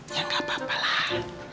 ya gak apa apalah